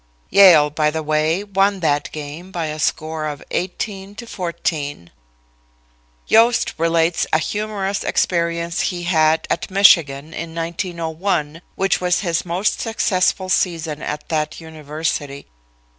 Yale, by the way, won that game by a score of 18 to 14. Yost relates a humorous experience he had at Michigan in 1901, which was his most successful season at that University.